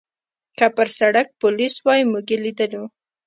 که پر سړک پولیس وای، موږ یې لیدلو.